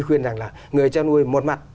khuyên rằng là người cho nuôi một mặt